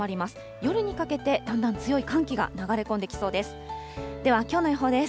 夜にかけて、だんだん強い寒気が流れ込んできそうです。